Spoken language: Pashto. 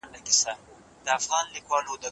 موږ بايد په خپل کار کې رښتيني وو.